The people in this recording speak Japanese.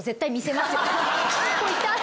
「ここ痛い」